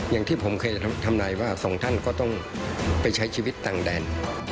อย่างที่ผมเคยทำนายว่าสองท่านก็ต้องไปใช้ชีวิตต่างแดน